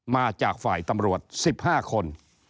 มาจากฝ่ายตำรวจ๑๕คน